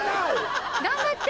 ・頑張って！